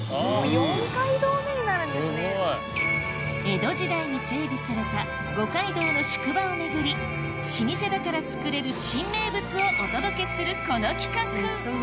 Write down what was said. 江戸時代に整備された五街道の宿場を巡り老舗だから作れる新名物をお届けするこの企画